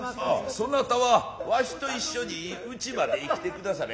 そなたはわしと一緒に家まで来てくだされ。